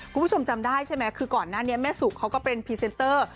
คุณผู้ชมจำได้ใช่ไหมคือก่อนหน้านี้แม่สุเขาก็เป็นพรีเซนเตอร์